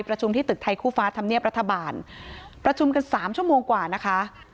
ที่ตึกไทยคู่ฟ้าธรรมเนียบรัฐบาลประชุมกันสามชั่วโมงกว่านะคะ